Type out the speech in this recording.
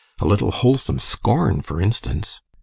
A little wholesome scorn, for instance.